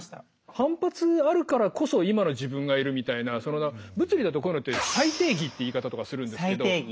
反発あるからこそ今の自分がいるみたいな物理だとこういうのって再定義って言い方とかするんですけど。